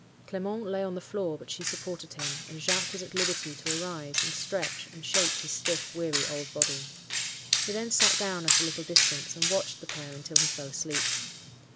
Clement lay on the floor, but she supported him, and Jacques was at liberty to arise and stretch and shake his stiff, weary old body. He then sat down at a little distance, and watched the pair until he fell asleep.